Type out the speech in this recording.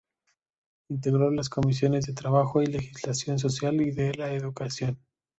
Integró las comisiones de Trabajo y Legislación Social y la de Educación.